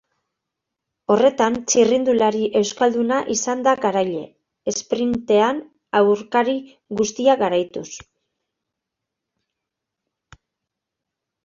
Horretan, txirrindulari euskalduna izan da garaile, esprintean aurkari guztiak garaituz.